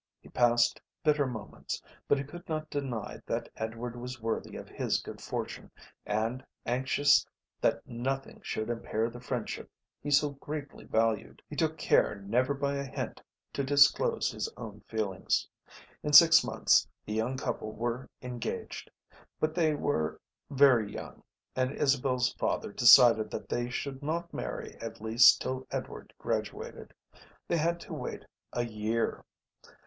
He passed bitter moments, but he could not deny that Edward was worthy of his good fortune, and, anxious that nothing should impair the friendship he so greatly valued, he took care never by a hint to disclose his own feelings. In six months the young couple were engaged. But they were very young and Isabel's father decided that they should not marry at least till Edward graduated. They had to wait a year.